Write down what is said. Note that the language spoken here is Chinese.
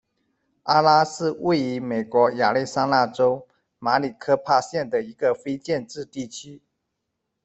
阿拉是位于美国亚利桑那州马里科帕县的一个非建制地区。